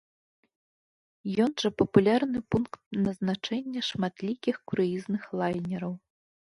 Ён жа папулярны пункт назначэння шматлікіх круізных лайнераў.